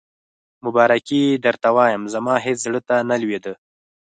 مبارکي یې درته وایم، زما هېڅ زړه ته نه لوېده.